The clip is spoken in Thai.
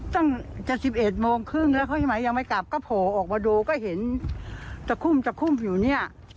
ตั้ง๑๑โมงครึ่งแล้วเขายังไม่กลับก็โผล่ออกมาดูก็เห็นจักรคุ่มอยู่นี่